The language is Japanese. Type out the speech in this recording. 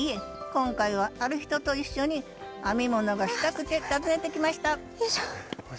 今回はある人と一緒に編み物がしたくて訪ねてきましたよいしょ。